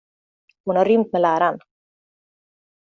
Hon har rymt med läraren.